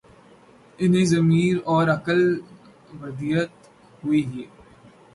انہیں ضمیر اور عقل ودیعت ہوئی ہی